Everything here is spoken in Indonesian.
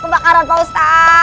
kebakaran pak ustaz